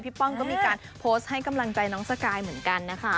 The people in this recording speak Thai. ป้องก็มีการโพสต์ให้กำลังใจน้องสกายเหมือนกันนะคะ